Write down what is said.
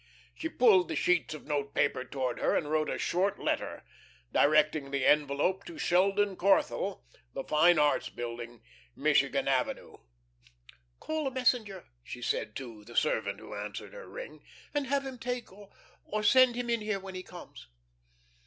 She pulled the sheets of note paper towards her and wrote a short letter, directing the envelope to Sheldon Corthell, The Fine Arts Building, Michigan Avenue. "Call a messenger," she said to the servant who answered her ring, "and have him take or send him in here when he comes."